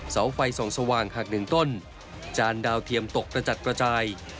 เสาไฟส่องสว่างหักหนึ่งต้นจานดาวเทียมตกกระจัดกระจาย